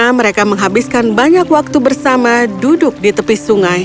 karena mereka menghabiskan banyak waktu bersama duduk di tepi sungai